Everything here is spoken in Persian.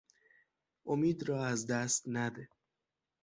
امید را از دست نده.